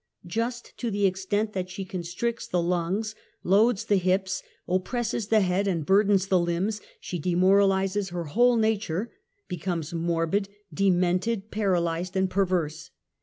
Just to the extent^^ that she constricts the lungs, loads the hips, oppres ; ses the head, and burdens the limbs, she demoralizes her whole nature, becomes morbid, demented, pa ralyzed and perverse.